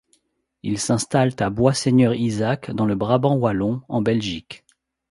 Ils s'installent à Bois-Seigneur-Isaac, dans le Brabant wallon, en Belgique.